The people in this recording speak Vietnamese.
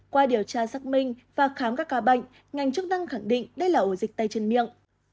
qua điều tra xác minh và khám các ca bệnh ngành chức năng khẳng định đây là ổ dịch tay chân miệng